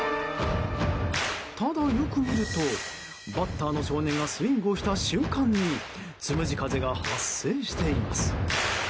ただ、よく見るとバッターの少年がスイングをした瞬間につむじ風が発生しています。